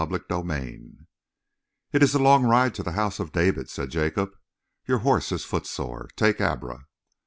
CHAPTER TEN "It is a long ride to the house of David," said Jacob. "Your horse is footsore; take Abra."